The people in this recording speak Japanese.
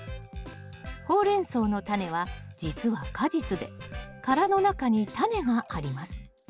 ホウレンソウのタネはじつは果実で殻の中にタネがあります。